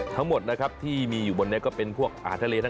ทั้งหมดที่มีบนเนี่ยก็เป็นอาหารทะเล